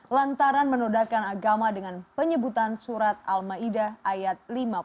lantaran menodaikan agama dengan penyebutan surat al ma'idah ayat lima puluh satu